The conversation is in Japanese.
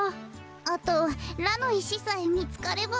あとラのいしさえみつかれば。